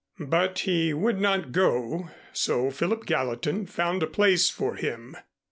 But he would not go, so Philip Gallatin found a place for him.